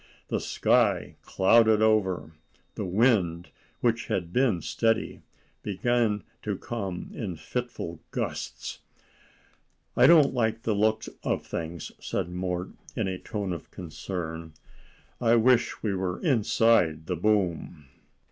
The sky clouded over, the wind, which had been steady, began to come in fitful gusts. "I don't like the look of things," said Mort, in a tone of concern. "I wish we were inside the boom."